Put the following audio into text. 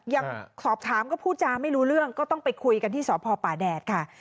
ยังสอบถามก็พูดจาไม่รู้เรื่องก็ต้องไปคุยกันที่สพป่าแดดค่ะ